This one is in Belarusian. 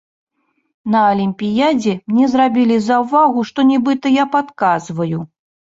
На алімпіядзе мне зрабілі заўвагу, што нібыта я падказваю.